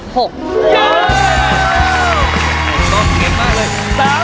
ตอบเก่งมากเลย๓คะแนน